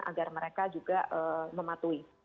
agar mereka juga mematuhi